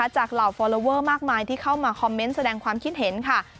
เหล่าฟอลลอเวอร์มากมายที่เข้ามาคอมเมนต์แสดงความคิดเห็นค่ะ